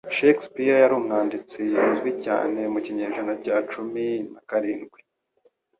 Shakespeare yari umwanditsi uzwi cyane wo mu kinyejana cya cumin a karindwi.